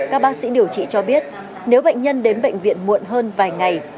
các bác sĩ điều trị cho biết nếu bệnh nhân đến bệnh viện muộn hơn vài ngày